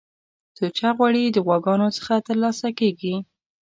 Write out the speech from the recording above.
سوچه غوړی د غواګانو څخه ترلاسه کیږی